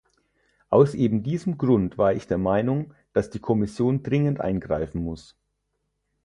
Aus eben diesem Grund war ich der Meinung, dass die Kommission dringend eingreifen muss.